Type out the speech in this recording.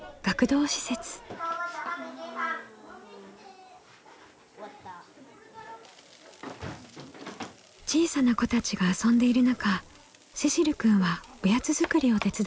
小さな子たちが遊んでいる中せしるくんはおやつ作りを手伝います。